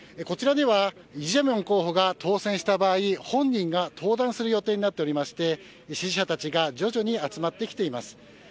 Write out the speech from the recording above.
こちらでは李在明候補が当選した場合本人が登壇する予定になっていまして支持者たちが徐々に集まってきています。